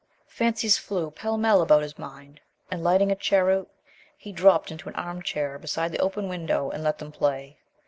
Fancies flew pell mell about his mind, and, lighting a cheroot, he dropped into an armchair beside the open window and let them play.